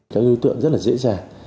cái ưu tượng rất là dễ dàng